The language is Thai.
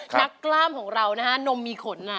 นักกล้ามของเรานมมีขน